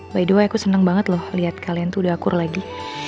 by the way aku senang banget loh lihat kalian tuh udah akur lagi